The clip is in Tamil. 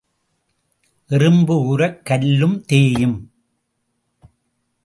எறும்பு ஊரக் கல்லும் தேயும்.